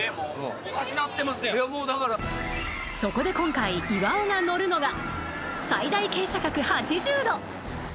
そこで今回、岩尾が乗るのが最大傾斜角８０度。